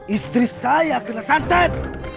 istri saya kena santan